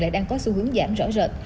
lại đang có xu hướng giảm rõ rợt